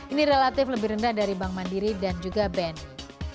ini relatif lebih rendah dari bank mandiri dan juga bni